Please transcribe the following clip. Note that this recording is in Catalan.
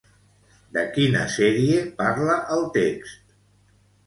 De quina sèrie parla el text?